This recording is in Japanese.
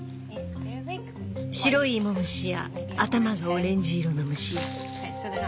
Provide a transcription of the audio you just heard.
白い芋虫や頭がオレンジ色の虫や。